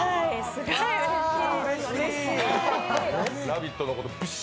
すごいうれしい。